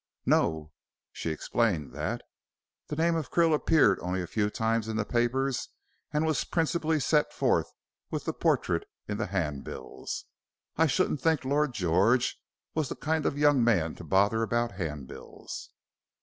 "No. She explained that. The name of Krill appeared only a few times in the papers, and was principally set forth with the portrait, in the hand bills. I shouldn't think Lord George was the kind of young man to bother about hand bills."